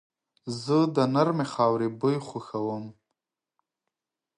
زه د نرمې خاورې بوی خوښوم.